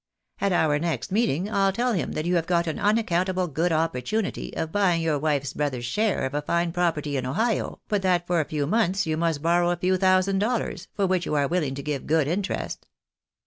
At our next meeting I'U tell him that you have got an unaccount able good opportunity of buying your wife's brother's share of a fine property in Ohio, but that for a few months you must borrow a few thousand dollars, for which you are willing to give good interest."